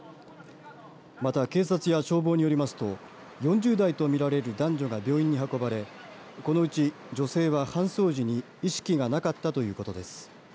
また、警察や消防によりますと４０代とみられる男女が病院に運ばれこのうち女性は搬送時に意識がなかったということです。